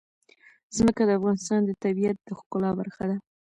ځمکه د افغانستان د طبیعت د ښکلا برخه ده.